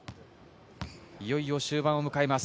いよいよ終盤を迎えます。